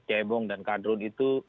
cebong dan kadrun itu